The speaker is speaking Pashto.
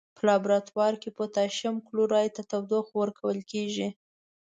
په لابراتوار کې پوتاشیم کلوریت ته تودوخه ورکول کیږي.